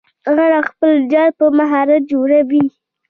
غڼه خپل جال په مهارت جوړوي